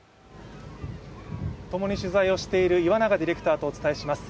共に取材をしている岩永ディレクターと一緒にお伝えします。